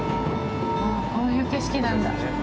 こういう景色なんだ。